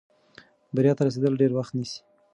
بریا ته رسېدل ډېر وخت نیسي.